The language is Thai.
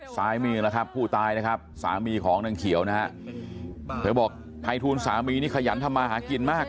ซ้ายมือนะครับผู้ตายนะครับสามีของนางเขียวนะฮะเธอบอกภัยทูลสามีนี่ขยันทำมาหากินมาก